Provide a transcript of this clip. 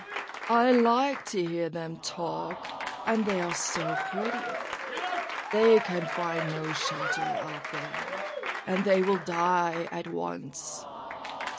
I like to hear them talk, and they are so pretty; they can find no shelter out there, and they will die at once.